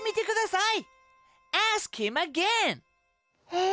え？